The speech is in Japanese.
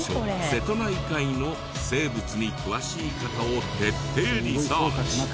瀬戸内海の生物に詳しい方を徹底リサーチ！